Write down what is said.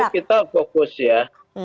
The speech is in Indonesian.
langkah kita fokus ya